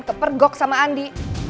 kepergok sama andi